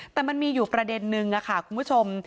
แต่มันมีอยู่ประเด็นนึงค่ะคุณผู้ชม